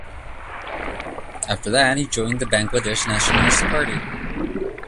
After that he joined the Bangladesh Nationalist Party.